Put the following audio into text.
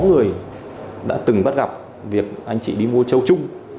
sáu người đã từng bắt gặp việc anh chị đi mua châu chung